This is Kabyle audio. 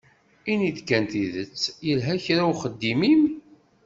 Ini-d kan tidet, yelha kra uxeddim-im?